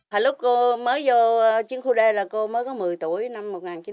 hồi lúc cô mới vô chiến khu d là cô mới có một mươi tuổi năm một nghìn chín trăm sáu mươi sáu